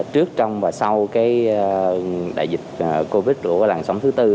trước trong và sau cái đại dịch covid của làng sống thứ tư